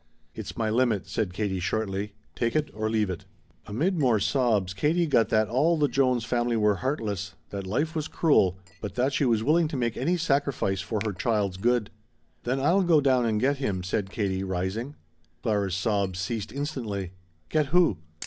"It's my limit," said Katie shortly. "Take it or leave it." Amid more sobs Katie got that all the Jones family were heartless, that life was cruel, but that she was willing to make any sacrifice for her child's good. "Then I'll go down and get him," said Katie, rising. Clara's sobs ceased instantly. "Get who?"